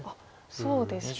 そうですね。